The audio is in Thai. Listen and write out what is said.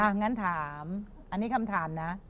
งั้นถามอันนี้คำถามนะ